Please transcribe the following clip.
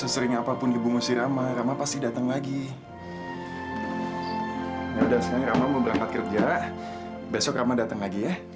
sampai jumpa di video selanjutnya